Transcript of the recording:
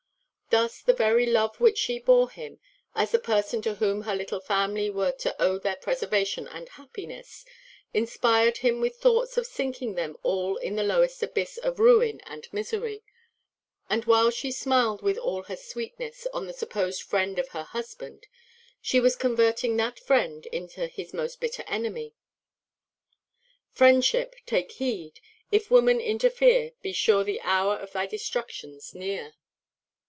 Thus the very love which she bore him, as the person to whom her little family were to owe their preservation and happiness, inspired him with thoughts of sinking them all in the lowest abyss of ruin and misery; and, while she smiled with all her sweetness on the supposed friend of her husband, she was converting that friend into his most bitter enemy. Friendship, take heed; if woman interfere, Be sure the hour of thy destruction's near.